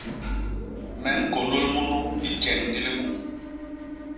Me ñkônôl munu i tjeñ di libum.